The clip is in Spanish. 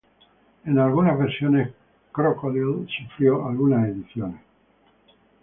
En algunas versiones, Crocodile sufrió algunas ediciones.